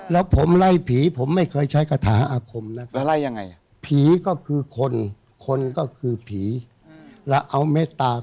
แล้วผมไล่ผีผมไม่เคยใช้กระทะอาคมนะครับ